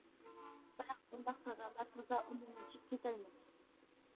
بىراق بۇنداق سادالار تازا ئومۇملىشىپ كېتەلمىدى.